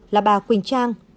là bà quỳnh trang